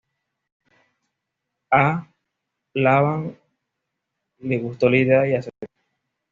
A Laban le gustó la idea y aceptó.